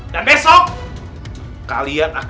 kita sudah tahu